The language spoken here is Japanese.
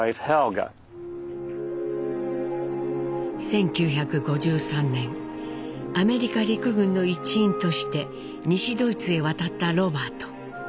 １９５３年アメリカ陸軍の一員として西ドイツへ渡ったロバート。